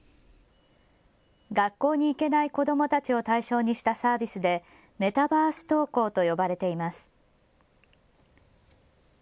学校に行けない子どもたちを対象にしたサービスでメタバース登校と呼ばれています。